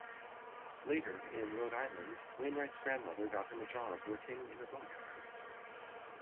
Later, in Rhode Island, Wainwright's grandmother got him a job working in a boatyard.